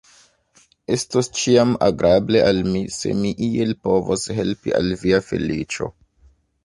Estos ĉiam agrable al mi, se mi iel povos helpi al via feliĉo.